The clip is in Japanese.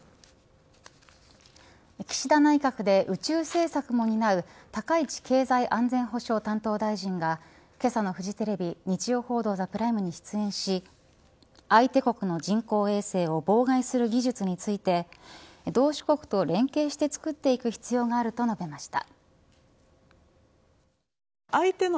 岸田内閣で宇宙政策も担う高市経済安全保障担当大臣がけさのフジテレビ日曜報道ＴＨＥＰＲＩＭＥに出演し相手国の人工衛星を妨害する技術について同志国と連携して作っていく必要があると述べました。